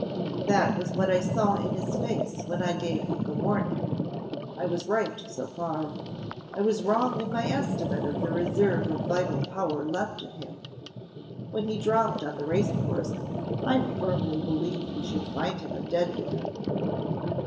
"That was what I saw in his face when I gave him the warning. I was right, so far. I was wrong in my estimate of the reserve of vital power left in him. When he dropped on the race course, I firmly believed we should find him a dead man."